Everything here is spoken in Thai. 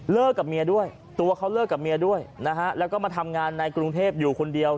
กับเมียด้วยตัวเขาเลิกกับเมียด้วยนะฮะแล้วก็มาทำงานในกรุงเทพอยู่คนเดียว